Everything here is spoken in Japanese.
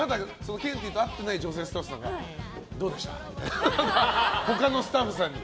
ケンティーと会ってない女性スタッフさんがどうでした？とかって他のスタッフさんに。